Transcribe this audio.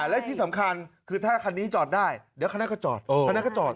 และที่สำคัญคือถ้าคันนี้จอดได้เดี๋ยวคณะก็จอดคณะก็จอด